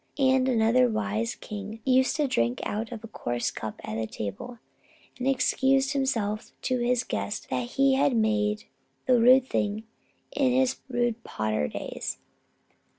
And another wise king used to drink out of a coarse cup at table, and excused himself to his guests that he had made the rude thing in his rude potter days.